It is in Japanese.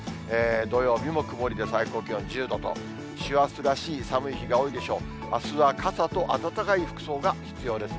土曜日も曇りで最高気温１０度と、師走らしい寒い日が多いでしょう。